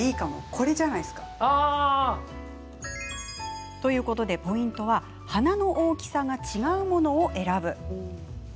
これじゃないですか？ということでポイントは花の大きさが違うものを選ぶ。